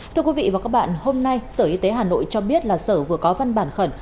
thưa quý vị và các bạn hôm nay sở y tế hà nội cho biết là sở vừa có văn bản khẩn